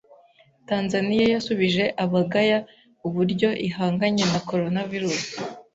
Tanzania yasubije abagaya iubuyo ihanganye na coronavirus